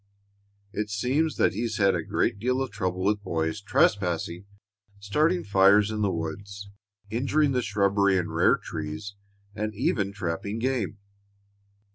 It seems that he's had a great deal of trouble with boys trespassing, starting fires in the woods, injuring the shrubbery and rare trees, and even trapping game.